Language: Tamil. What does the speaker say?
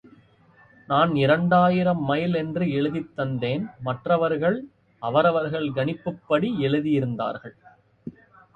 நான் இரண்டாயிரம் மைல் என்று எழுதித் தந்தேன் மற்றவர்கள் அவரவர்கள் கணிப்புப்படி எழுதியிருந்தார்கள்.